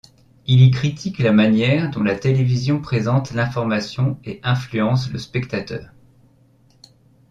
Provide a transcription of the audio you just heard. Il y critique la manière dont la télévision présente l’information et influence le spectateur.